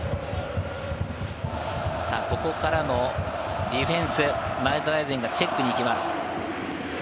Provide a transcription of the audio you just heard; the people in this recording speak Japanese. ここからのディフェンス、前田大然がチェックに行きます。